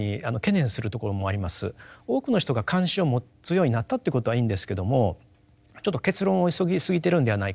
多くの人が関心を持つようになったってことはいいんですけどもちょっと結論を急ぎすぎてるんではないか。